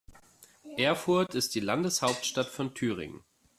Erfurt ist die Landeshauptstadt von Thüringen.